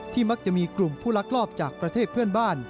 มักจะมีกลุ่มผู้ลักลอบจากประเทศเพื่อนบ้าน